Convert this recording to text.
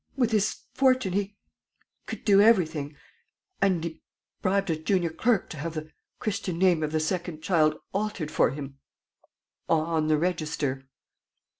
With his fortune, he could do everything; and he bribed a junior clerk to have the Christian name of the second child altered for him on the register."